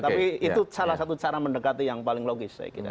tapi itu salah satu cara mendekati yang paling logis